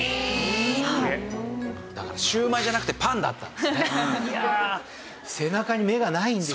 だからシューマイじゃなくてパンだったんですね。